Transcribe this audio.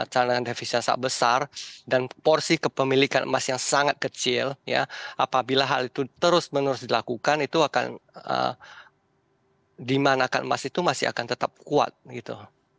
karena devisa sangat besar dan porsi kepemilikan emas yang sangat kecil ya apabila hal itu terus menerus dilakukan itu akan dimanakan emas itu masih akan tetap kuat gitu